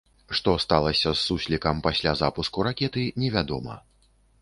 Што сталася з суслікам пасля запуску ракеты, невядома.